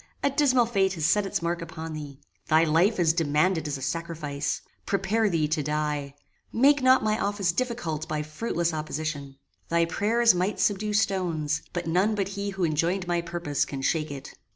a dismal fate has set its mark upon thee. Thy life is demanded as a sacrifice. Prepare thee to die. Make not my office difficult by fruitless opposition. Thy prayers might subdue stones; but none but he who enjoined my purpose can shake it."